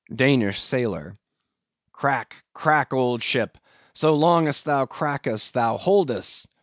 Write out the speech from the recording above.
DANISH SAILOR. Crack, crack, old ship! so long as thou crackest, thou holdest!